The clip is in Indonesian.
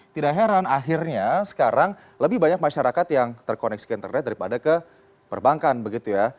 tidak heran akhirnya sekarang lebih banyak masyarakat yang terkoneksi internet daripada ke perbankan begitu ya